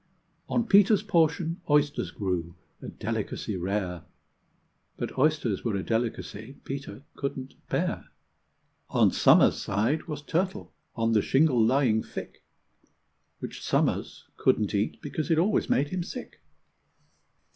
On Peter's portion oysters grew a delicacy rare, But oysters were a delicacy Peter couldn't bear. On Somer's side was turtle, on the shingle lying thick, Which Somers couldn't eat, because it always made him sick.